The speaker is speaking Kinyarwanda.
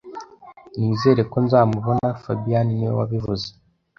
Nizere ko nzamubona fabien niwe wabivuze